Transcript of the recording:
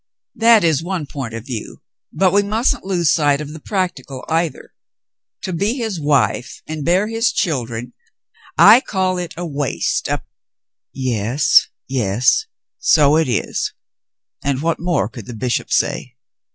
"That is one point of view, but we mustn't lose sight of the practical, either. To be his wife and bear his children — I call it a waste, a —'* "Yes, yes. So it is." And what more could the bishop say